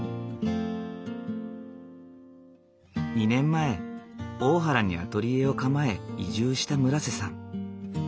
２年前大原にアトリエを構え移住した村瀬さん。